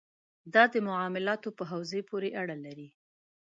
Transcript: دا د معاملاتو په حوزې پورې اړه لري.